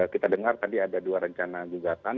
kita dengar tadi ada dua rencana gugatan